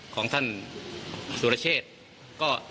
ของท่านสุรเชชเนี่ย